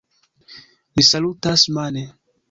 Mi salutas mane.